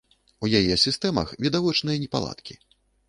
У яе сістэмах відавочныя непаладкі.